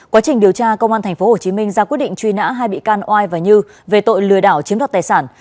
quá trình điều tra công an tp hồ chí minh ra quyết định truy nã hai bị can oai và như về tội lừa đảo chiếm đọc tài sản